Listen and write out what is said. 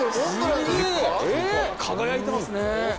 輝いてますね。